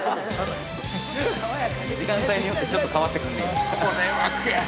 ◆時間帯によってちょっと変わってくんねや。